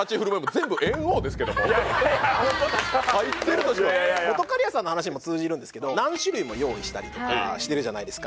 入ってるとしか本仮屋さんの話にも通じるんですけど何種類も用意したりとかしてるじゃないですか